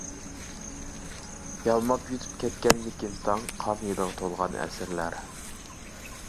يالماپ يۇتۇپ كەتكەنمىكىن تاڭ، قان ھىدىغا تولغان ئەسىرلەر.